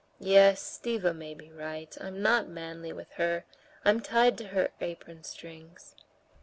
Yes, Stiva may be right, I'm not manly with her, I'm tied to her apron strings....